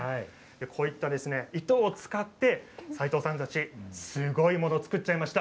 こういった糸を使って齋藤さんたち、すごいものを作っちゃいました。